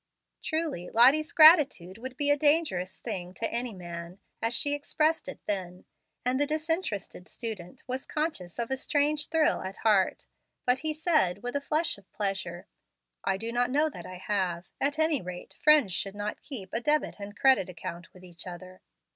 Truly Lottie's gratitude would be a dangerous thing to any man, as she expressed it then; and the disinterested student was conscious of a strange thrill at heart. But he said, with a flush of pleasure: "I do not know that I have. At any rate friends should not keep a debit and credit account with each other."